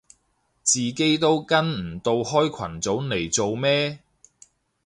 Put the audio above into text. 自己都跟唔到開群組嚟做咩